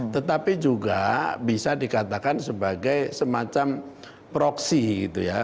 tetapi juga bisa dikatakan sebagai semacam proksi gitu ya